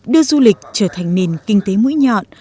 đưa du lịch trở thành nền kinh tế mũi nhọn